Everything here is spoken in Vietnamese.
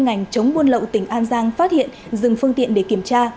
công an liên ngạch chống buôn lậu tỉnh an giang phát hiện dừng phương tiện để kiểm tra